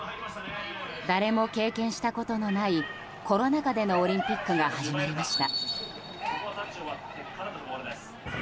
誰も経験したことのないコロナ禍でのオリンピックが始まりました。